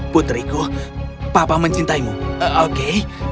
putriku papa mencintaimu oke